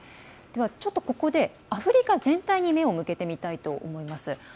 ちょっと、ここでアフリカ全体に目を向けてみたいと思います。